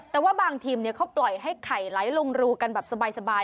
แต่ว่าบางทีมเขาปล่อยให้ไข่ไหลลงรูกันแบบสบาย